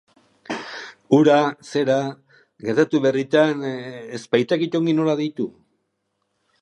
Hura... zera... gertatu berritan, ez baitakit ongi nola deitu.